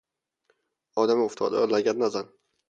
آدم افتاده را لگد نزن!